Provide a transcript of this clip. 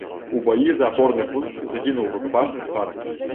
У баі за апорны пункт загінуў у рукапашнай схватцы.